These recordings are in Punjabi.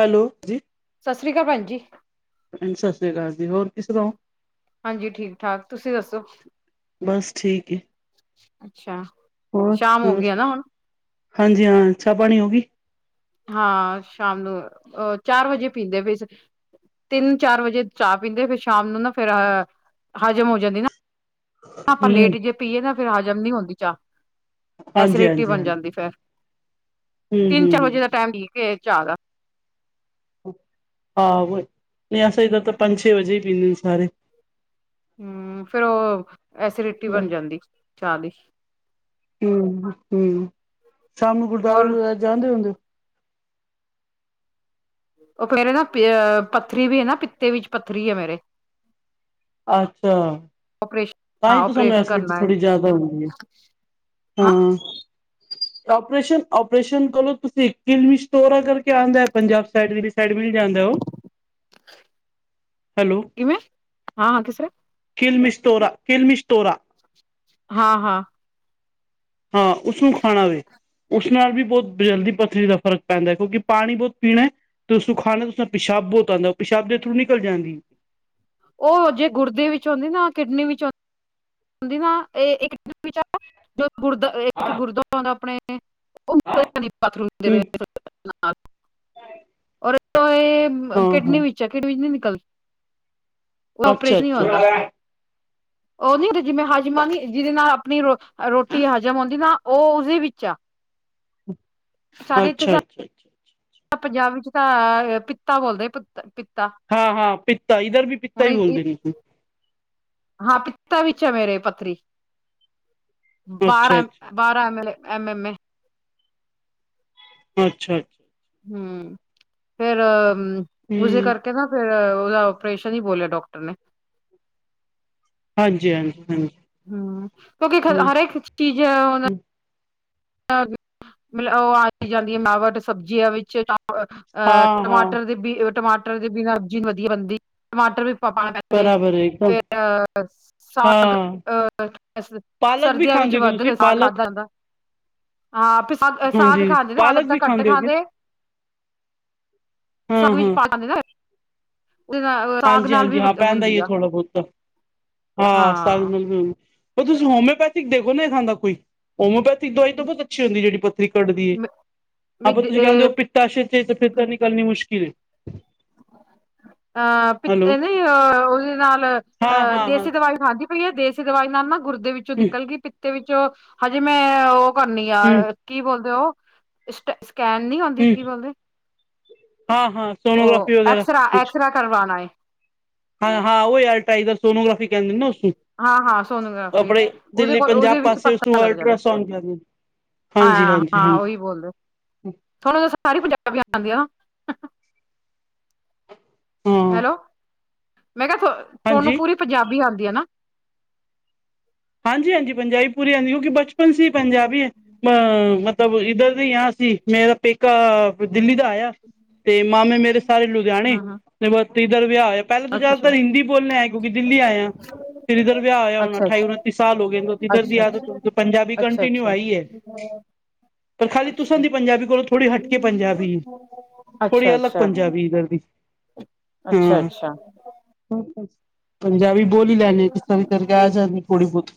ਹੈਲੋ ਜੀ, ਸਤਿ ਸ਼੍ਰੀ ਅਕਾਲ ਭੈਣ ਜੀ, ਭੈਣ ਸਤਿ ਸ੍ਰੀ ਅਕਾਲ ਜੀ ਹੋਰ ਕਿਸ ਤਰ੍ਹਾਂ ਹਾਂਜੀ ਠੀਕ ਠਾਕ ਤੁਸੀਂ ਦੱਸੋ। ਬਸ ਠੀਕ ਏ। ਅੱਛਾ ਹੋਰ ਸ਼ਾਮ ਹੋ ਹੋਰ ਗਈ ਆ ਨਾ ਹੁਣ ਹਾਂਜੀ ਹਾਂ ਚਾਹ ਪਾਣੀ ਹੋ ਗਈ। ਹਾਂ ਸ਼ਾਮ ਨੂੰ ਅਹ ਚਾਰ ਵਜੇ ਪੀਂਦੇ ਫ ਤਿੰਨ ਚਾਰ ਵਜੇ ਚਾਹ ਪੀਂਦੇ ਫਿਰ ਸ਼ਾਮ ਨੂੰ ਨਾ ਫੇਰ ਅਹ ਹਜ਼ਮ ਹੋ ਜਾਂਦੀ ਨਾ ਆਪਾਂ ਲੇਟ ਹੂੰ ਜੇ ਪੀਏ ਨਾ ਫਿਰ ਹਜ਼ਮ ਨਹੀਂ ਹੁੰਦੀ ਚਾਹ ਹਾਂਜੀ ਐਸਿਡੀਟੀ ਹਾਂਜੀ ਬਣ ਹਾਂਜੀ ਜਾਂਦੀ ਫਿਰ ਹੂੰ ਤਿੰਨ ਹੂੰ ਚਾਰ ਵਜੇ ਹੂੰ ਦਾ ਟਾਈਮ ਠੀਕ ਏ ਚਾਹ ਦਾ ਹਹ ਉਹ ਨਹੀਂ ਸਹੀ ਗੱਲ ਤਾਂ ਪੰਜ ਛੇ ਵਜੇ ਹੀ ਪੀਦੇ ਸਾਰੇ ਹਮ ਫੇਰ ਉਹ ਐਸੀਡੀਟੀ ਬਣ ਜਾਂਦੀ ਚਾਹ ਦੀ ਹਮ ਹਮ ਸ਼ਾਮ ਨੂੰ ਹੋਰ ਗੁਰਦੁਆਰੇ ਜਾਂਦੇ ਹੁੰਦੇ ਹੋ ਉਹ ਮੇਰੇ ਨਾ ਪੱਥਰੀ ਵੀ ਹੈ ਨਾ ਪਿੱਤੇ ਵਿੱਚ ਪੱਥਰੀ ਹੈ ਮੇਰੇ ਅੱਛਾ ਓਪਰੇਸ਼ਨ ਤਾਂ ਹਾਂ ਹੀ ਤਾਂ ਸਾਨੂੰ ਓਪਰੇਸ਼ਨ ਐਸਸੀਡੀਟੀ ਕਰਨਾ ਹੈ ਥੋੜੀ ਜਿਆਦਾ ਹੁੰਦੀਹੈ ਹਾਂ ਹਾਂ ਆਪਰੇਸ਼ਨ ਆਪਓਰੇਸ਼ਨ ਕਲੋ ਤੁਸੀਂ ਕਿਸ ਦੋਰਾ ਕਰਕੇ ਆਉਂਦਾ ਪੰਜਾਬ ਸਾਈਡ ਸਡ ਮਿਲ ਜਾਂਦਾ ਉਹ ਹੈਲੋ ਕਿਵੇਂ ਹਾਂ ਹਾਂ ਕਿਸ ਤਰ੍ਹਾਂ ਕਿਲ ਮਿਸਟੋਰਾ ਕਿਲ ਮਿਸਟੋਰਾ ਹਾਂ-ਹਾਂ, ਹਾਂ ਉਸਨੂੰ ਖਾਣਾ ਵ ਉਸ ਨਾਲ ਵੀ ਬਹੁਤ ਜਲਦੀ ਪਥਰੀ ਦਾ ਫ਼ਰਕ ਪੈਂਦਾ ਹੈ ਕਿਉਂਕਿ ਪਾਣੀ ਬਹੁਤ ਪੀਣਾ ਤੇ ਉਸਨੂੰ ਖਾਣਾ ਉਸ ਪਿੱਛਾ ਪਿਸ਼ਾਬ ਬਹੁਤ ਆਦਾ ਉਹ ਪਿਸ਼ਾਬ ਦੇ ਥਰੂ ਨਿਕਲ ਜਾਂਦੀ ਉਹ ਜੇ ਗੁਰਦੇ ਵਿੱਚ ਆਦੀ ਨਾ ਕਿਡਨੀ ਵਿੱਚ ਆਦੀ ਹਦੀ ਨਾ ਇਹ ਇੱਕ ਵਿਚ ਜੋ ਗੁਰ ਇੱਕ ਹਾਂ ਗੁਰਦੁਵਾਰਾ ਆਪਣੇ ਉਹ ਨਿਕਲ ਜਾਂਦੀ ਹ ਬਾਥਰੂਮ ਦੀ ਰਾਹ। ਹਾਂ ਰੋ ਇਹ ਕਿਡਨੀ ਵਿਚ ਹੈ ਕਿਡਨੀ ਵਿਚ ਨਿਕਲਦੀ ਅੱਛਾ-ਅੱਛਾ ਉਹ ਨੀ ਜਿਵੇਂ ਹਜ਼ਮਾਂ ਨ ਜਿਹਦੇ ਨਾਲ ਆਪਣੀ ਰ ਰੋਟੀ ਹਜ਼ਮ ਆਉਂਦੀ ਨਾ ਉਹ ਉਸਦੇ ਵਿੱਚ ਆ ਅੱਛਾ-ਅੱਛਾ-ਅੱਛਾ ਪੰਜਾਬੀ ਚ ਤਾਂ ਪਿਤਾ ਬੋਲਦੇ ਪੁ ਹਾਂ-ਹਾਂ ਪਿਤਾ ਇੱਧਰ ਵੀ ਪਿੱਤਾ ਹੀ ਬੋਲਦੇ ਨੇ ਹਾਂ ਪਿਤਾ ਵਿੱਚ ਹੈ ਮੇਰੇ ਪੱਥਰੀ ਅੱਛਾ ਬਾਰਾਂਮ ਅੱਛਾ ਬਾਰਾਂ M L A M M A ਅੱਛਾ-ਅੱਛਾ, ਹੂੰ ਫੇਰ ਉਸੇ ਹੂੰ ਕਰਕੇ ਨਾ ਫੇਰ ਉਹਦਾ ਔਪਰੇਸ਼ਨ ਹੀ ਬੋਲਿਆ ਡਾਕਟਰ ਨੇ ਹਾਂਜੀ-ਹਾਂਜੀ-ਹਾਂਜੀ, ਹੂੰ ਕਿਉਂਕਿ ਹਰ ਇੱਕ ਚੀਜ਼ ਉਹ ਹੂੰ ਮ ਉਹ ਆਈ ਜਾਂਦੀ ਮਿਲਾਵਟ ਸਬਜ਼ੀਆਂ ਵਿੱਚ ਅਹ ਹਾਂ ਹਾਂ ਟਮਾਟਰ ਦੇ ਬੀ ਟਮਾਟਰ ਦੇ ਬਿਨਾਂ ਵੀ ਸਬਜ਼ੀ ਬਣਦੀ ਟਮਾਟਰ ਵੀ ਪਾ ਪਾਣਾ ਪੈਂਦੇ ਬਰਾਬਰ ਹੈ ਇੱਕਦਮ ਫੇਰ ਅਹ ਸਾਗ ਹਾਂ ਅਹ ਪਾਲਕ ਵੀ ਸਰਦੀਆਂ ਵਿੱਚ ਖਾਂਦੇ ਹੋਗੇ ਵੱਧ ਤੁਸੀਂ ਗ ਸਾਗ ਪਾਲਕ ਖਾਧਾ ਜਾਂਦਾ, ਹਾਂ ਸਾਗ ਹਾਂਜੀ ਖਾਂਦੇ ਪਾਲਕ ਤਾਂ ਵੀ ਘੱਟ ਹੋਗੇ ਖਾਂਦੇ ਹਾਂ ਸਭ ਕੁਛ ਪਾ ਲੈਂਦੇ ਨਾ ਉਹਦੇ ਨਾਲ ਸਾਗ ਨਾਲ ਹਾਂਜੀ-ਹਾਂਜੀ ਵੀ ਹਾਂ ਪੈਂਦਾ ਹੀ ਹੁੰਦੀ ਹੈ ਆ ਥੋੜਾ ਬਹੁਤਾ ਹਾਂ ਸ ਮ ਪਰ ਤੁਸੀਂ ਹੋਮਿਓਪੈਥਿਕ ਦੇਖੋ ਨਾ ਇਹ ਖਾਂ ਦਾ ਕੋਈ ਹੋਮਿਓਪੈਥਿਕ ਦਵਾਈ ਬਹੁਤ ਅੱਛੀ ਹੁੰਦੀ ਜਿਹੜੀ ਪੱਥਰੀ ਕੱਢਦੀ ਹੈ। ਮ [inaudible] ਅਹ ਪਿ ਹੈਲੋ ਅ ਉਹਦੇ ਨਾਲ ਹਾਂ ਅਹ ਹਾਂ ਹਾਂ ਦੇਸੀ ਦਵਾਈ ਖਾਂਦੀ ਪਈ ਹੈ ਦੇਸੀ ਦਵਾਈ ਨਾਲ ਨਾ ਗੁਰਦੇ ਵਿੱਚੋਂ ਹਮ ਨਿਕਲ ਗਈ ਪਿੱਤੇ ਵਿੱਚੋਂ ਹਮ [inaudible] ਸਕੈਨ ਨੀ ਆਉਂਦੀ ਹਮ ਕੀ ਬੋਲਦੇ ਹਾਂ ਹਾਂ ਸੋਨੋਗ੍ਰਾਫੀ ਉਹ ਐਕਸਰਾ ਪਾਣਾ ਏ ਹਾਂ-ਹਾਂ ਉਹੀ ਆਲਟਾ ਇਧਰ ਸੋਨੋਗਾਫੀ ਕਹਿੰਦੇ ਨਾ ਹਾਂ ਹਾਂ ਸੋਨੋਗ੍ਰਾਫੀ ਆਪਣੇ ਉਹਦੇ ਦਿੱਲੀ ਕੋਲ ਪੰਜਾਬ ਉਹਦੇ ਪਾਸੇ ਉਸਨੂੰ ਅਲਟਰਾਸਾਊਂਡ ਲ ਹਾਂ-ਹਾਂ ਉਹੀ ਬੋਲਦੇ ਸਾਰ ਪੰਜਾਬੀਆਂ ਆਉਂਦੀਆਂ ਹਾਂ ਹੈਲੋ ਮੈਂ ਕਿਹਾ ਤੁਹਾਨੂੰ ਹਾਂਜੀ ਪੂਰੀ ਪੰਜਾਬੀ ਆਦੀ ਆ ਨਾ ਹਾਂਜੀ-ਹਾਂਜੀ ਪੰਜਾਬੀ ਪੂਰੀ ਆਉਂਦੀ ਕਿਉਂਕਿ ਬਚਪਨ ਸੀ ਪੰਜਾਬੀ ਹੈ ਅ ਮਤਲਬ ਇੱਧਰ ਆ ਸੀ ਮੇਰਾ ਪੇਕਾ ਦਿੱਲੀ ਦਾ ਆਇਆ ਤੇ ਮਾਮੇ ਮੇਰੇ ਸਾਰੇ ਲੁਧਿਆਣੇ ਹਾਂ ਹਾਂ ਇਧਰ ਵਿਆਹ ਆਇਆ ਪਹਿਲਾਂ ਤਾਂ ਜ਼ਿਆਦਾਤਰ ਅੱਛਾ ਹਿੰਦੀ ਬੋਲਣੇ ਆ ਕਿਉਂਕਿ ਦਿੱਲੀ ਆਏ ਆ ਤੇਰੇ ਦਰ ਵਿਆਹ ਹੋਇਆ ਹੋਣਾ ਅੱਛਾ ਅੱਛਾ ਸਾਲ ਹੋ ਗਏ ਇਧਰ ਦੀ ਅੱਛਾ ਆਦਤ ਪੰਜਾਬੀ ਅੱਛਾ ਕੰਟੀਨਿਊ ਅੱਛਾ ਆਈ ਹੈ ਪਰ ਖਾਲੀ ਤੁਸਾ ਅੱਛਾ ਦੀ ਪੰਜਾਬੀ ਕੋਲੋਂ ਥੋੜ੍ਹੀ ਹਟਕੇ ਪੰਜਾਬੀ ਹੈ ਅੱਛਾ ਥੋੜ੍ਹੀ ਅੱਛਾ ਅਲੱਗ ਪੰਜਾਬੀ ਇੱਧਰ ਦੀ [inaudible] ਅੱਛਾ ਅੱਛਾ। ਪੰਜਾਬੀ ਬੋਲੀ ਲੈਂਦੇ ਆ ਕਿਸ ਤਰ ਵੀ ਕਰਕੇ ਆ ਜਾਂਦੇ, ਥੋੜੀ ਬਹੁਤ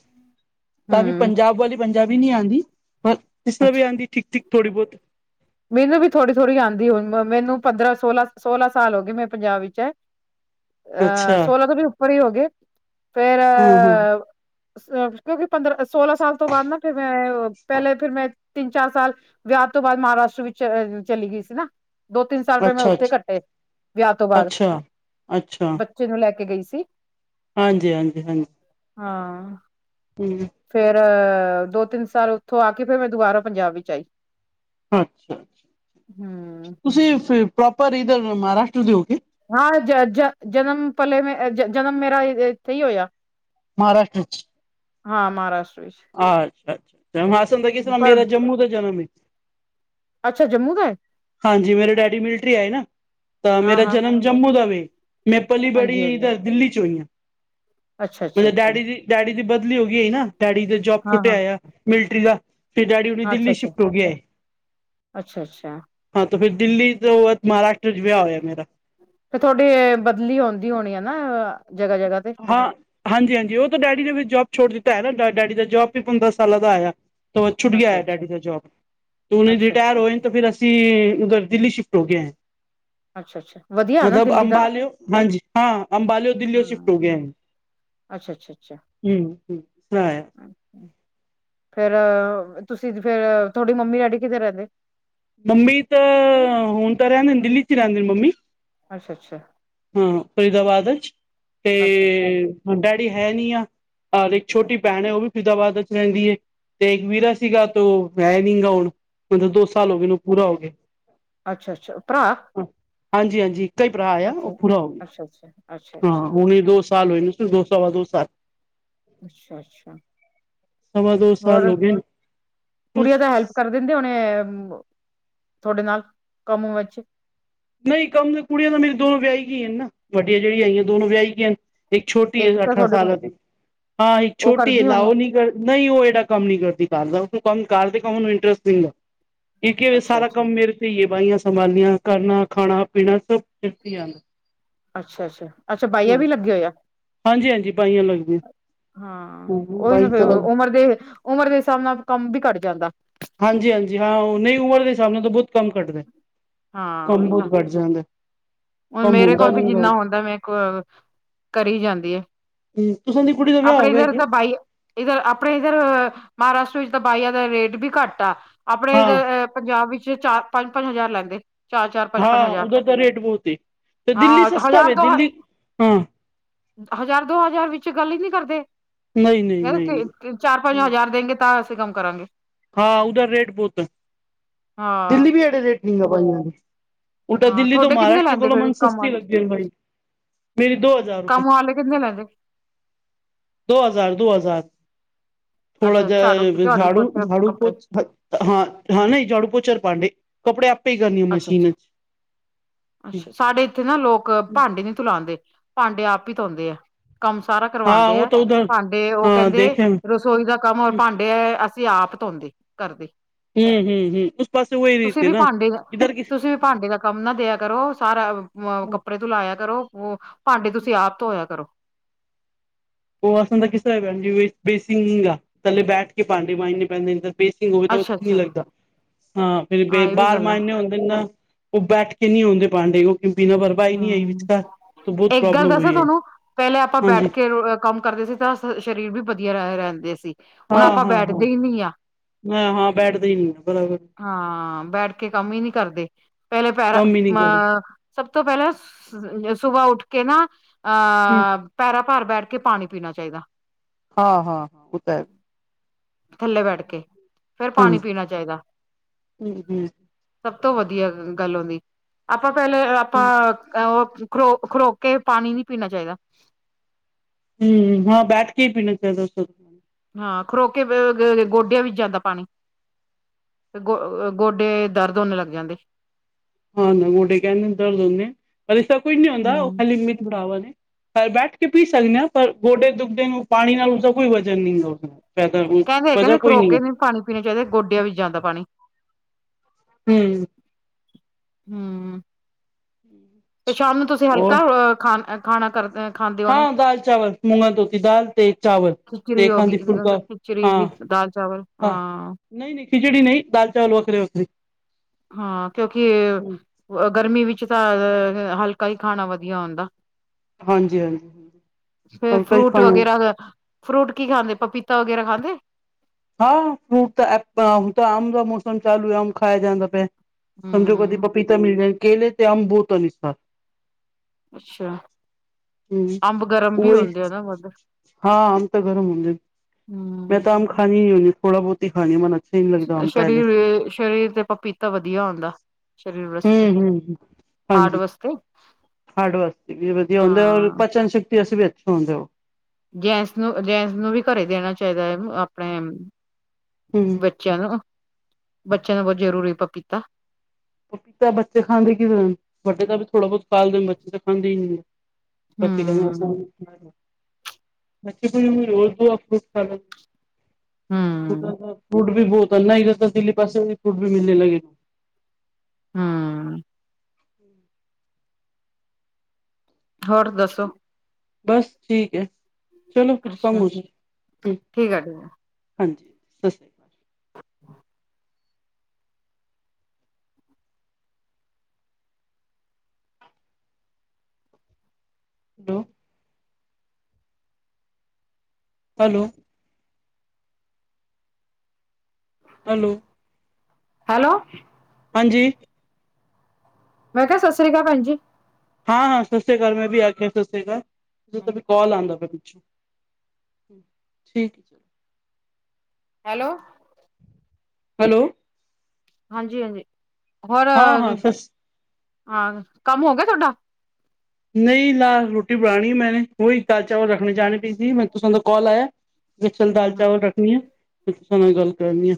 ਤਾਂ ਵੀ ਹੂੰ ਪੰਜਾਬ ਵਾਲੀ ਪੰਜਾਬੀ ਨਹੀਂ ਆਉਂਦੀ ਪਰ ਕਿਸ ਤਰ੍ਹਾਂ ਵੀ ਅੱਛਾ ਆਉਂਦੀ ਠੀਕ ਠੀਕ ਥੋੜ੍ਹੀ ਬਹੁਤ ਮੈਨੂੰ ਵੀ ਥੋੜ੍ਹੀ ਥੋੜ੍ਹੀ ਆਉਂਦੀ ਹੁਣ ਮੈਨੂੰ ਪੰਦਰਾਂ ਸੋਲਾਂ ਸੋਲਾਂ ਸਾਲ ਹੋ ਗਏ ਮੈਂ ਪੰਜਾਬ ਵਿੱਚ ਹੈ ਅਹ ਸੋਲਾਂ ਤੋਂ ਵੀ ਉੱਪਰ ਹੀ ਹੋ ਗਏ ਫੇਰ ਹਾਂ ਹਾਂ ਅ ਕਿਉਂਕਿ ਪੰਦਰਾਂ ਸੋਲਾਂ ਸਾਲ ਤੋਂ ਬਾਅਦ ਨਾ ਫਿਰ ਮੈਂ ਪਹਿਲੇ ਫਿਰ ਮੈਂ ਤਿੰਨ ਚਾਰ ਸਾਲ ਵਿਆਹ ਤੋਂ ਬਾਅਦ ਮਹਾਰਾਸ਼ਟਰ ਵਿੱਚ ਚਲੀ ਗਈ ਸੀ ਨਾ ਦੋ ਤਿੰਨ ਸਾਲ ਰੁਪਏ ਮੈਂ ਅੱਛਾ ਉੱਥੇ ਅੱਛਾ ਕੱਟੇ ਵਿਆਹ ਤੋਂ ਬਾਅਦ ਅੱਛਾ ਅੱਛਾ ਬੱਚੇ ਨੂੰ ਲੈ ਕੇ ਗਈ ਸੀ [inaudible] ਹਾਂਜੀ ਹਾਂਜੀ ਹਾਂਜੀ ਹਾਂ ਹਮ ਫੇਰ ਦੋ ਤਿੰਨ ਸਾਲ ਉੱਥੋਂ ਆ ਕੇ ਫੇਰ ਮੈਂ ਦੁਬਾਰਾ ਪੰਜਾਬ ਵਿੱਚ ਆਈ ਅੱਛਾ ਹੂੰ। ਤੁਸੀਂ ਫੇਰ ਪ੍ਰੋਪਰ ਇਧਰ ਮਹਾਰਾਸ਼ਟਰ ਦੇ ਹੋ ਹਾਂ ਜ ਜ ਜਨਮ ਪਲੇ ਮੈਂ ਜਨਮ ਮੇਰਾ ਸਹੀ ਹੋਇਆ ਮਹਾਰਾਸ਼ਟਰ ਚ ਹਾਂ ਮਹਾਰਾਸ਼ਟਰ। ਵਿੱਚ ਅੱਛਾ ਅੱਛਾ ਹੈਂਸਣ ਦਾ ਕੀ ਸੁਣਾ ਪਰ ਮੇਰਾ ਜਮੂ ਦਾ ਜਨਮ ਹੈ ਅੱਛਾ ਜੰਮੂ ਦਾ। ਹਾਂਜੀ ਮੇਰੇ ਡੈਡੀ ਮਿਲਟਰੀ ਆਏ ਨਾ ਤਾਂ ਹਾਂ ਮੇਰਾ ਹਾਂ ਜਨਮ ਜੰਮੂ ਦਾ ਵੇ, ਮੈਂ ਪਲੀ ਹਾਂਜੀ ਬੜੀ ਹਾਂਜੀ ਇਧਰ ਦਿੱਲੀ ਚ ਹੋਈ ਹਾਂ। ਅੱਛਾ ਅੱਛਾ ਮਤਲਬ ਅੱਛਾ ਡੈਡੀ ਦੀ ਡੈਡੀ ਦੀ ਬਦਲੀ ਹੋ ਗਈ ਆ ਨਾ ਡੈਡੀ ਦਾ ਜੋਬ ਹਾਂ ਛੁੱਟਿਆ ਹਾਂ ਆਇ ਮਿਲਟਰੀ ਦਾ ਫੇਰ ਡੈਡੀ ਹੁਣੇ ਹਾਂ ਅੱਛਾ ਦਿੱਲੀ ਅੱਛਾ ਸ਼ਿਫਟ ਹੋ ਗਿਆ ਹੈ ਅੱਛਾ ਅੱਛਾ ਤੇ ਫੇਰ ਦਿੱਲੀ ਤੋ ਮਹਾਰਾਸ਼ਟਰ ਚ' ਵਿਆਹ ਹੋਇਆ ਮੇਰਾ ਤੇ ਥੋਡੀ ਬਦਲੀ ਆਉਂਦੀ ਹੋਣੀ ਆ ਨਾ ਜਗ੍ਹਾ ਜਗ੍ਹਾ ਤੇ ਹਾਂ ਹਾਂਜੀ ਹਾਂਜੀ ਉਹ ਤਾਂ ਡੈਡੀ ਦੇ ਵਿੱਚ ਜੋਬ ਛੋਟੀ ਤਾਂ ਹੈ ਨਾ ਡ ਡੈਡੀ ਦਾ ਜੋਬ ਵੀ ਪੰਦਰਾਂ ਸਾਲਾਂ ਦਾ ਆਇਆ ਛੁਟ ਅੱਛਾ ਗਿਆ ਅੱਛਾ ਡੈਡੀ ਦਾ ਜੋਬ ਉਹ ਅੱਛਾ ਅੱਛਾ ਰਿਟਾਇਰ ਹੋਏ ਅੱਛਾ ਫਿਰ ਅਸੀਂ ਉਧਰ ਦਿੱਲੀ ਸ਼ਿਫ ਅੱਛਾ ਅੱਛਾ ਵਧੀਆ ਹੈ ਨਾ ਮਤਲਬ ਦਿੱਲੀ ਦਾ ਅੰਬਾਲਿਓ ਹਾਂਜੀ ਹਾਂ ਅੰਬਾਲੇ ਦਿੱਲੀ ਹਾਂ ਅੱਛਾ ਅੱਛਾ ਅੱਛਾ [inaudible] ਫੇਰ ਤੁਸੀਂ ਫੇਰ ਤੁਹਾਡੀ ਮੰਮੀ ਡੈਡੀ ਕਿਥੇ ਰਹਿੰਦੇ ਮੰਮੀ ਤਾਂ ਹੁਣ ਤਾਂ ਰਹਿਦੇ ਨੇ ਦਿੱਲੀ ਚ ਹੀ ਰਹਦੇ ਨੇ ਮੰਮੀ, ਅੱਛਾ-ਅੱਛਾ, ਹਾਂ ਫਰੀਦਾਬਾਦ ਵਿੱਚ, ਅੱਛਾ ਅੱਛਾ ਤੇ ਡੈਡੀ ਹੈਨੀ ਆ, ਇੱਕ ਛੋਟੀ ਭੈਣ ਹੈ ਉਹ ਵੀ ਫਿਦਾਬਾਦ ਰਹਿੰਦੀ ਹੈ ਤੇ ਇੱਕ ਵੀਰਾ ਸੀਗਾ, ਤੇ ਹੈੈਂ ਨੀ ਗਾ ਹੁਣ ਮਤਲਬ ਦੋ ਸਾਲ ਹੋ ਔਨੂੰ ਪੂਰਾ ਹੋ ਗਿਆ। ਅੱਛਾ ਅੱਛਾ ਭਰਾ ਹਾਂਜੀ-ਹਾਂਜੀ, ਇੱਕ ਹੀ ਭਰਾ ਆਆ ਉਹ ਅੱਛਾ ਪੂਰਾ ਹੋ ਗਿਆ ਅੱਛਾ ਅੱਛਾ ਅੱਛਾ ਹਾਂ, ਅੱਛਾ ਹੁਣੇ ਦੋ ਸਾਲ ਹੋਏ ਨੂੰ ਦੋਸਾ ਵ ਦੋ ਸ ਅੱਛਾ-ਅੱਛਾ, ਸਵਾ ਦੋ ਸਾਲ ਹੋਰ ਹੋ ਗਏ ਬਸ ਕੁੜੀਆਂ ਦਾ ਹੈਲਪ ਕਰ ਦਿੰਦੇ ਹਣੇ, ਥੋਡੇ ਨਾਲ ਕੰਮ ਵਿੱਚ ਨਹੀਂ ਕੰਮ ਕੁੜੀਆਂ ਤਾਂ ਮੇਰੀ ਦੋਨੋ ਵਿਆਹੀ ਗਈ, ਨਾ ਵੱਡੀਆਂ ਜਿਹੜੀਆਂ ਆਈਆਂ ਦੋਨੋ ਵਿਆਹੀ ਗੀਆਂ। ਇੱਕ ਛੋਟੀ ਹੈ ਤਾਂ ਅਠਾਰਾਂ ਤੁਹਾਡੇ ਕੋਲ ਸਾਲਾਂ ਦੀ, ਹਾਂ ਇੱਕ ਉਹ ਛੋਟੀ ਕਰਦੀ ਲਾ ਹੋਣੀ ਉਹ ਨੀ ਕਰ ਨਹੀਂ ਉਹ ਡਾ ਕੰਮ ਨੀ ਕਰਦੀ ਕਰ ਦਾ ਉਹ ਕੰਮ ਕਰਦੇ ਕੰਮ ਨੂੰ ਇੰਟਰਸਟ ਦਿੰਦਾ ਕਿ, ਅੱਛਾ ਸਾਰਾ ਅੱਛਾ ਕੰਮ ਮੇਰੇ ਤੇ ਹੀ ਹੈ ਬਾਈਆਂ ਸੰਭਾਲਿਆ ਕਰਨਾ ਖਾਣਾ ਪੀਣਾ ਸਭ ਫਿਰਤੀ ਅੱਛਾ-ਅੱਛਾ-ਅੱਛਾ, ਬਾਹੀਆਂ ਵੀ ਲੱਗੇ ਹੋਇਆ। ਹਾਂਜੀ ਹਾਂਜੀ ਬਾਈਆਂ ਲੱਗਦੀਆਂ ਹਾਂ ਹੂੰ ਉਹੀ ਨਾ ਬਾਈ ਫੇਰ ਤਾਂ ਲੱਗ ਉਮਰ ਦੇ ਉਮਰ ਦੇ ਹਿਸਾਬ ਨਾਲ ਕੰਮ ਵੀ ਘੱਟ ਜਾਂਦਾ। ਹਾਂਜੀ-ਹਾਂਜੀ, ਹਾਂ ਨਹੀਂ ਉਮਰ ਦੇ ਹਿਸਾਬ ਨਾਲ ਬਹੁਤ ਕੰਮ ਘੱਟਦਾ ਹਾਂ ਕੰਮ ਉਹੀ ਨਾ ਬਹੁਤ ਘੱਟ ਜਾਂਦਾ। ਹੁਣ ਕੰਮ ਮੇਰੇ ਹੁੰਦਾ ਕੋਲ ਨੀ ਵੀ ਹੈਗਾ ਜਿੰਨਾ ਹੁੰਦਾ ਮੈਂ ਕੋ ਕਰੀ ਜਾਂਦੀ ਹੈ, ਹੂੰ ਤੁਸਾਂ ਦੀ ਕੁੜੀ ਦਾ ਵਿਆਹ ਆਪਣੇ ਹੋ ਗਿਆ ਇੱਧਰ ਕਿ ਤਾਂ ਬਾਈ ਇੱਧਰ ਆਪਣੇ ਇੱਧਰ ਮਹਾਰਾਸ਼ਟਰ ਵਿੱਚ ਤਾਂ ਬਾਈਆਂ ਦਾ ਰੇਟ ਵੀ ਘੱਟ ਆ, ਆਪਣੇ ਹਾਂ ਇਧਰ ਪੰਜਾਬ ਵਿੱਚ ਚਾਰ ਪੰਜ-ਪੰਜ ਹਜ਼ਾਰ ਲੈਂਦੇ। ਚਾਰ-ਚਾਰ ਪੰਜ-ਪੰਜ, ਹਾਂ ਹਜ਼ਾਰ ਉਧਰ ਤਾਂ ਰੇਟ ਬਹੁਤ ਏ ਤੇ ਦਿੱਲੀ ਹਾਂ ਸਸਤਾ ਹਜ਼ਾਰ ਵੇ ਦੋ ਦਿੱਲੀ ਹਾਂ ਹਜ਼ਾਰ ਦੋ ਹਜ਼ਾਰ ਵਿੱਚ ਗੱਲ ਹੀ ਨੀ, ਕਰਦੇ ਨਹੀਂ ਨਹੀਂ ਯਾਰ ਨਹੀਂ ਚਾਰ ਪੰਜ ਨਹੀਂ ਹਜ਼ਾਰ ਦੇਗੇ, ਤਾਂ ਅਸੀਂ ਕੰਮ ਕਰਾਂਗੇ। ਹਾਂ ਉਹਦਾ ਰੇਟ ਬਹੁਤ ਹਾਂ ਦਿੱਲੀ ਵੀ ਅੜੇ ਰੇਟ ਨ ਹੈ ਪਾਈ। ਉਟਾ ਹਾਂ ਦਿੱਲੀ ਤੋਂ ਤੁਹਾਡੇ ਕਿੰਨੇ ਮਹਾਰਾਸ਼ਟਰ ਲੈਂਦੇ ਕੋਲੋਂ, ਫਿਰ ਮਨ ਕੰਮ ਸਸਤੀ ਵਾਲੇ ਲਗਗੇ ਭਾਈ ਕੰਮ ਵਾਲੇ ਕਿੰਨੇ ਲੈਂਦੇ, ਦੋ ਹਜ਼ਾਰ ਦੋ ਹਜ਼ਾਰ, ਥੋੜਾ ਅੱਛਾ ਜਿਹਾ ਝਾੜੂ ਝਾੜੂ-ਝਾੜੂ ਝਾੜੂ ਪੋਚਾ ਨਹੀਂ ਕੱਪੜੇ ਝਾੜੂ ਪੋਚਾ ਤੇ ਭਾਂਡੇ, ਕੱਪੜੇ ਆਪੇ ਹੀ ਕਰਨੀ ਹੈ ਅੱਛਾ ਮਸ਼ੀਨ ਅੱਛਾ ਚ ਅੱਛਾ ਸਾਡੇ ਇੱਥੇ ਨਾ ਲੋਕ ਭਾਂਡੇ ਨੀ ਧੁਲਾਦੇ ਭਾਂਡੇ ਆਪ ਹੀ ਧੋਂਉਂਦੇ ਆ। ਕੰਮ ਸਾਰਾ ਕਰਵਾਦੇ ਹੈ, ਭਾਂਡੇ ਉਹ ਕਹਿੰਦੇ ਰਸੋਈ ਦਾ ਕੰਮਰ ਭਾਂਡੇ ਅਸੀਂ ਆਪ ਧੋਂਦੇ ਕਰਦੇ, ਤੁਸੀਂ ਵੀ ਭਾਂਡੇ ਦਾ ਤੁਸੀਂ ਵੀ ਭਾਂਡੇ ਦਾ ਕੰਮ ਨਾ ਦਿਆ, ਸਾਰਾ ਅ ਕੱਪੜੇ ਤੋਂ ਲਾਇਆ ਕਰੋ, ਭਾਂਡੇ ਤੁਸੀਂ ਆਪ ਧੋਇਆ ਕਰੋ। ਉਹ ਪਤਾ ਕਿਸ ਤਰ੍ਹਾਂ ਹੈਗਾ, ਬੇਸਿਕ ਨਹੀਂ ਹੈਗਾ ਥੱਲੇ ਬੈਠ ਕੇ ਭਾਂਡੇ ਮੰਜ ਨੇ ਪੈਂਦੇ। ਬੇਸਿੰਗ ਹੋਵੇ, ਤਾਂ ਅੱਛਾ ਔਖਾ ਨੀ ਅੱਛਾ ਲੱਗਦਾ। ਹਾਂ ਫਿਰ ਇਹ ਵੀ ਬਾਹਰ ਗੱਲ ਆ ਮਾਂਜਣੇ ਹੁੰਦੇ, ਨਾ ਉਹ ਬੈਠ ਕੇ ਨੀ ਆਉਂਦੇ। ਹੂੰ ਤਾਂ ਬਹੁਤ ਇੱਕ ਗੱਲ ਪ੍ਰੋਬਲਮ ਦੱਸੋ, ਹੋਈ ਹੈ ਤੁਹਾਨੂੰ ਪਹਿਲੇ ਆਪਾਂ ਹਾਂਜੀ ਬੈਠ ਕੇ ਕੰਮ ਕਰਦੇ ਸੀ ਤਾਂ ਸਰੀਰ ਵੀ ਵਧੀਆ ਰਹਿੰਦੇ ਸੀ, ਹੁਣ ਆਪਾਂ ਬੈਠਦੇ ਹੀ ਨੀ ਆ। ਹਾਂ-ਹਾਂ ਬੈਠਦੇ ਹੀ ਨੀ ਆ ਬਰਾਬਰ, ਹਾਂ ਬੈਠ ਕੇ ਕੰਮ ਹੀ ਨੀ, ਕਰਦੇ ਪਹਿਲੇ ਪੈਰਾਂ ਕੰਮ ਹੀ ਨਹੀਂ ਕਰੋ ਅਹ ਸਭ ਤੋਂ ਪਹਿਲ ਸੁਬਾ ਉੱਠ ਕੇ ਨਾ ਹੂੰ ਅ ਪੈਰਾ। ਘਰ ਬੈਠ ਕੇ ਪਾਣੀ ਪੀਣਾ ਚਾਹੀਦਾ। ਹਾਂ-ਹਾਂ-ਹਾਂ, ਉਹ ਤਾਂ ਹੈ। ਥੱਲੇ ਬੈਠ ਕੇ ਫਿਰ ਪਾਣੀ ਹਾਂਜੀ ਚਾਹੀਦਾ। ਹੂੰ ਸਭ ਤੋਂ ਵਧੀਆ ਗੱਲ ਹੁੰਦੀ ਆਪਾਂ ਪਹਿਲੇ ਆਪਾਂ ਉਹ। ਖਰੋ ਖਰੋਕ ਕੇ ਪਾਣੀ ਨੀ ਪੀਣਾ ਚਾਹੀਦਾ। ਹਮ ਹਾਂ ਬੈਠ ਕੇ ਪੀਣਾ ਚਾਹੀਦਾ। ਹਾਂ ਖਲੋ ਕੇ ਗੋਡਿਆਂ ਵਿੱਚ ਜਾਂਦਾ ਪਾਣੀ। ਤੇ ਗੋ ਗੋਡੇ ਦਰਦ ਹੋਨੇ ਲੱਗ ਜਾਂਦੇ ਹਾਂ ਨਾ ਗੋਡੇ ਕਹਿੰਦੇ ਦਰ ਲਉਦੇ ਪਰ ਇਸਦਾ ਕੋਈ ਨੀ ਆਉਂਦਾ ਉਹ ਹੂੰ। ਖਾਲੀਮੀਤ ਬੜਾਵਾ ਨੇ। ਘ ਬੈਠ ਕੇ ਪੀ ਸਕਦੇ ਹਾਂ ਪਰ ਗੋਡੇ ਦੁੱਖਦੇ ਨੇ ਪਾਣੀ ਨਾਲ ਉਸਦਾ ਕੋਈ ਵਜ਼ਨ ਨਹੀਂ ਹੈ ਉਸ ਨਾਲ। ਪੈਦਾ ਕਹਿੰਦੇ ਕਹਿੰਦੇ ਵਜ੍ਹਾ ਨੇ ਕੋਈ ਖਲੋ ਕੇ ਨਹੀਂ ਪੀਣਾ ਚਾਹੀਦਾ ਗੋਡਿਆਂ ਚ ਜਾਂਦਾ ਪਾਣੀ। ਹਮ। ਹਮ ਤੇ ਸ਼ਾਮ ਨੂੰ ਤੁਸੀਂ ਔਰ ਹਲਕਾ ਖਾਨਾ ਕਰਦੇ ਹੋ। ਹਾਂ ਦਾਲ ਚਾਵਲ ਮੂੰਗਾ ਧੋਤੀ ਦਾਲ ਤੇ ਚਾਵਲ। ਖਿਚੜੀ ਤੇ ਹੋ ਗਈ ਖਾਂਦੀ ਫੁਲਕਾ ਖਿਚੜੀ ਹਾਂ ਵਿੱਚ ਦਾਲ ਚਾਵਲ। ਹਾਂ ਨਹੀਂ ਨਹੀਂ ਖਿਚੜੀ ਨਹੀਂ ਦਾਲ ਚਾਵਲ ਵੱਖਰੇ ਵੱਖਰੇ। ਹਾਂ ਕਿਉਂਕਿ ਗਰਮੀ ਵਿੱਚ। ਤਾਂ ਹਲਕਾ ਹੀ ਖਾਣਾ ਵਧੀਆ ਹੁੰਦਾ। ਹਾਂਜੀ ਹਾਂਜੀ ਫੇ ਹਲਕਾ ਹੀ ਫਰੂਟ ਖਾਣਾ ਵਗੈਰਾ। ਫਰੂਟ ਕੀ ਖਾਂਦੇ ਪਪੀਤਾ ਵਗੈਰਾ ਖਾਂਦੇ। ਹਾਂ ਫਰੂਟ ਤਾਂ ਹੁਣ ਤਾਂ ਆਮ ਦਾ ਮੌਸਮ ਚਾਲੂ ਹੈ ਆਮ ਖਾਇਆ ਜਾਦਾ ਪਏ। ਸਮਝੋ ਕਦੀ ਹੂੰ। ਪਪੀਤਾ ਮਿਲ ਕੇਲੇ ਤੇ ਅੰਬ ਅਨੁਸਾਰ ਅੱਛਾ। ਅੰਬ ਗਰਮ ਵੀ ਉਹੀ ਹੁੰਦੇ ਆ ਨਾ ਵੱਧ। ਹਾਂ ਅੰਬ ਤਾਂ ਗਰਮ ਹੁੰਦੇ ਮੈਂ ਹੂੰ। ਆਮ ਨ ਖਾਂਦੀ ਥੋੜਾ ਬਹੁਤ ਹੀ ਖਾਂਦੀ ਮਨਾ। ਸਰੀਰ-ਸਰੀਰ ਤੇ ਪਪੀਤਾ ਵਧੀਆ ਹੁੰਦਾ। ਸਰੀਰ ਵਾਸਤੇ। ਹਮ-ਹਮ ਹਾਰਟ ਹਾਂਜੀ। ਵਾਸਤੇ ਹਡ ਵਾਸਤੇ ਵੀ ਵਧੀਆ ਹੁੰਦੇ ਰ ਹਾਂ ਪਚਨ ਸ਼ਕਤੀ ਵਾਸੀਂ ਵੀ ਇੱਥੇ ਹੁੰਦੇ ਹੋ। ਜੈਂਸ ਨੂੰ ਜੈਂਸ ਨੂੰ ਵੀ ਘਰੇ ਦੇਣਾ ਚਾਹੀਦਾਨੂੰ ਆਪਣੇ। ਹੂੰ ਬੱਚਿਆਂ ਨੂੰ ਬੱਚਿਆਂ ਨੂੰ ਬਹੁਤ ਜ਼ਰੂਰੀ ਪਪੀਤਾ। ਪਪੀਤਾ ਬੱਚੇ ਖਾਂਦੇ ਕਿ ਵੱਡੇ ਤਾਂ ਵੀ ਥੋੜ੍ਹਾ ਬਹੁਤ ਖਦੇਣ ਬੱਚੇ ਤਾਂ ਖਾਂਦੇ ਹੀ ਨਹੀਂ। ਪਛੇ ਕ ਹਮ ਮੱਚੀ ਕੋੀ ਉ ਰਰ [inaudible] ਦਆ ਫਰੂਟ ਖਾ ਲ ਹਮ [unintelligible] ਦਾ ਫੂਡ। ਬਹੁਤਨਾ ਹੀ ਦਿੱਲੀ ਪਾਸੇ ਫੂਟ ਵੀ ਮਿਲਣੇ ਲੱਗੇ ਨੂੰ। ਹਮ। ਹੋਰ ਦੱਸੋ। ਬਸ ਠੀਕ ਹੈ ਚਲੋ ਕੁਛ ਕਮ ਅੱਛਾ ਹੋ। ਹਮ। ਠੀਕ ਆ ਠੀਕ ਆ ਹਾਂਜੀ ਸਤਿ ਸ਼੍ਰੀ ਅਕਾਲ। ਹੇਲੋ। ਹੈਲੋ। ਹੈਲੋ। ਹੈਲੋ। ਹਾਂਜੀ। ਮੈਂ ਕਿਹਾ ਸਤਿ ਸ੍ਰੀ ਅਕਾਲ ਭੈਣ ਜੀ। ਹਾਂ-ਹਾਂ ਸਤਿ ਸ੍ਰੀ ਅਕਾਲ ਮੈਂ ਵੀ ਆਖਿਆ ਸਤਿ ਸ੍ਰੀ ਮੈੰ ਆਖਿਆ ਸੀ ਕਾਲ ਆਉਂਦਾ ਪਿਛੌਂ। ਠੀਕ । ਹੈਲੋ। ਹੈਲੋ। ਹਾਂਜੀ-ਹਾਂਜੀ ਹੋਰ ਹਾਂ ਹਾਂ ਸਸ ਹਾਂ ਕੰਮ ਹੋ ਗਿਆ ਤੁਹਾਡਾ? ਨਹੀਂ ਲਾ ਰੋਟੀ ਬਣਾਉਣੀ ਮੈੇ ਉਹੀ ਦਾਲ ਚਾਵਲ ਰੱਖਣੇ ਜਾਣੇ ਪਈ ਸੀ ਮੈਂ ਤੁਸ ਦਾ ਕਾਲ ਆਇਆ। ਲ ਦਾਲ ਹਮ ਹਮ ਚਾਵਲ ਰੱਖਣੀ ਆ ਤੁ ਨਾਲ ਗੱਲ ਕਰਨੀ ਆ।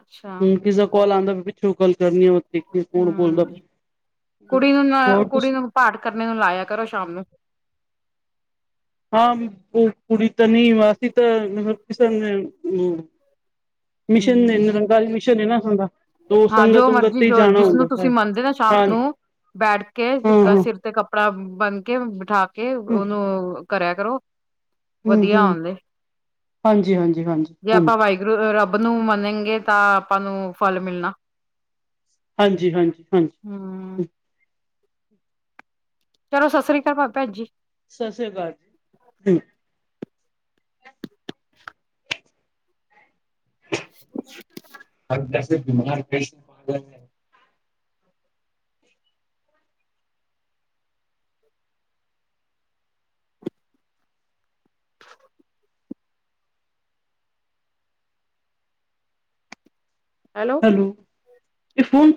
ਅੱਛਾ ਹੁਣ ਕਿਸ ਦਾ ਕਾਲ ਆਉਂਦਾ ਵੀ ਪਿੱਛੋਂਕਾਲ। ਕਰਨ ਦੇਖ ਕੌਣ ਬੋਲਦਾ ਹਮ ਪਿਆ, ਕੁੜੀ ਨੂੰ ਨਾ ਹੋਰ ਕੁੜੀ ਨੂੰ ਪਾਠ ਨੂੰ ਲਾਇਆ ਕਰੋ ਸ਼ਾਮ ਨੂੰ। ਹ ਉਹ ਕੁੜੀ ਤਾਂ ਨਹੀਂ ਵਾਸੀ ਤਾਂ ਮਤਲਬ ਕਿਸਨ [inaudible] ਹਮ ਮਿਸ਼ਨ ਕੱਲ ਮਿਸ਼ਸ਼ਨ ਹੈ ਨਾ ਸੁ [unintelligible] ਦਾ। ਹਾਂ, ਜੋ ਮਰਜੀ ਜੋ ਜਿਸਨੂੰ ਤੁਸੀਂ ਮੰਨਦੇ ਨਾ ਸ਼ਾਮ ਨੂੰ। ਹਾਂਜੀ ਬੈਠ ਕੇ ਹਾਂ ਹਾਂ ਸਿਰ ਤੇ ਕੱਪੜਾ ਬੰਨ ਕੇ, ਬਿਠਾ ਕੇ ਹਮ ਉਹਨੂੰ ਕਰਿਆ ਕਰੋ। ਹਮ ਵਧੀਆ ਹਮ ਆਉਂਦੇ। ਹਾਂਜੀ ਹਾਂਜੀ ਹਾਂਜੀ ਜੇ ਆਪਾਂ ਹਾਂਜੀ ਵਾਹਿਗੁਰੂ ਰੱਬ ਨੂੰ ਮੰਨਗੇ ਤਾਂ ਆਪਾਂ ਨੂੰ ਫਲ ਮਿਲਣਾ। ਹਾਂਜੀ-ਹਾਂਜੀ, ਹਮ ਹਾਂਜੀ। ਚਲੋ, ਸਤਿ ਸ੍ਰੀ ਅਕਾਲ ਭਾ- ਭੈਣ ਜੀ। ਸਤਿ ਸ੍ਰੀ ਅਕਾਲ ਜੀ। [unintelligible] ਅੰ ਬਿਮਾਰ ਪੈਸ ਪਾ ਗ ਹੈ [inaudible] [unintelligible] ਹੈਲੋ! ਇਹ ਫੋਨ